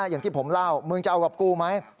อย่างที่ผมเล่ามึงจะเอากับกูไหม